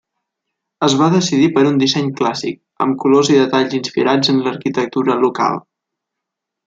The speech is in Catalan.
Es va decidir per un disseny clàssic, amb colors i detalls inspirats en l'arquitectura local.